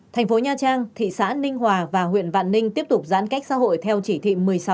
thành phố nha trang thị xã ninh hòa và huyện vạn ninh tiếp tục giãn cách xã hội theo chỉ thị một mươi sáu